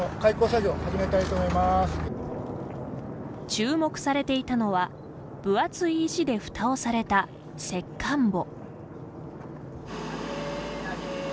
注目されていたのは分厚い石でふたをされた石棺墓。